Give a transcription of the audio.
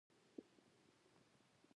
ښه اخلاق د ټولنې پرمختګ ته لاره هواروي.